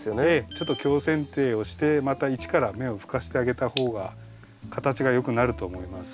ちょっと強せん定をしてまた一から芽を吹かせてあげた方が形がよくなると思います。